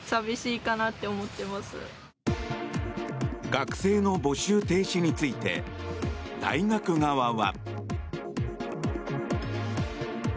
学生の募集停止について大学側は。